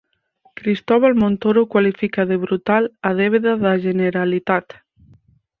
Cristóbal Montoro cualifica de brutal a débeda da Generalitat